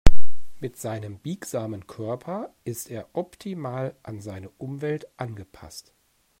Mit seinem biegsamen Körper ist er optimal an seine Umwelt angepasst.